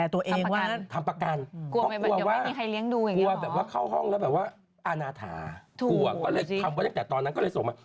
อาณาถากลัวทำอย่างงั้นก็เลยส่งมึง